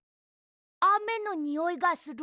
あめのにおいがする。